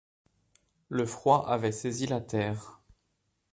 Le froid avait saisi la terre.